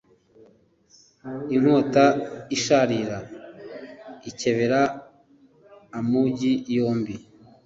Inkota isharira ikebera amugi yombi